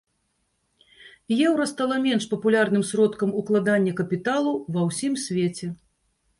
Еўра стала менш папулярным сродкам укладання капіталу ва ўсім свеце.